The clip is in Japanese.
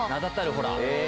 ほら。